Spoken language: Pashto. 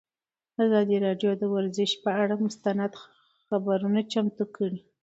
ازادي راډیو د ورزش پر اړه مستند خپرونه چمتو کړې.